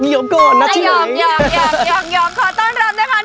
ยอมก่อนนักจัดทนาทิพย์